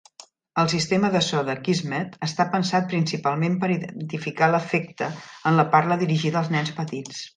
El sistema de so de Kismet està pensat principalment per identificar l'afecte en la parla dirigida als nens petits.